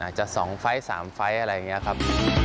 อาจจะสองไฟล์ทสามไฟล์ทอะไรอย่างนี้ครับ